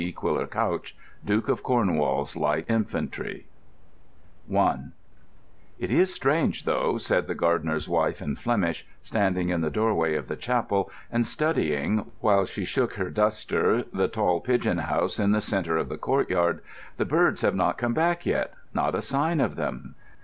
Quiller Couch Duke of Cornwall's Light Infantry I "It is strange, though," said the gardener's wife in Flemish, standing in the doorway of the chapel and studying, while she shook her duster, the tall pigeon house in the centre of the courtyard. "The birds have not come back yet. Not a sign of them."